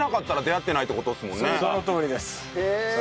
そのとおりです。